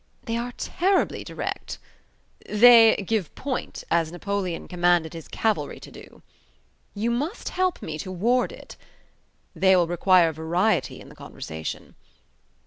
"They are terribly direct." "They 'give point', as Napoleon commanded his cavalry to do." "You must help me to ward it." "They will require variety in the conversation."